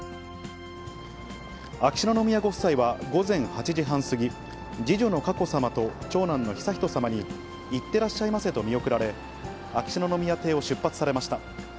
秋篠宮ご夫妻は、午前８時半過ぎ、次女の佳子さまと長男の悠仁さまに、行ってらっしゃいませと見送られ、秋篠宮邸を出発されました。